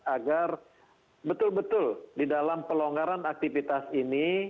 agar betul betul di dalam pelonggaran aktivitas ini